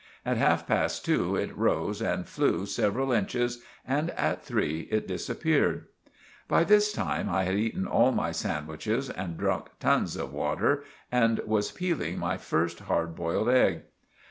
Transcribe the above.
At half past two it rose and flew several inches and at three it disappeered. By this time I had eaten all my sandwiches and drunk tons of water and was pealing my first hard boiled egg.